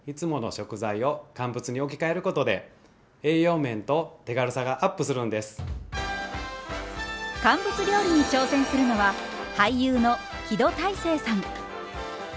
肉や魚など乾物料理に挑戦するのは俳優の木戸大聖さん。